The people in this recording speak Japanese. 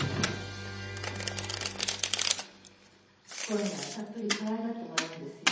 今夜はたっぷりかわいがってもらうんですよ。